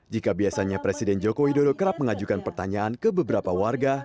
jika biasanya presiden joko widodo kerap mengajukan pertanyaan ke beberapa warga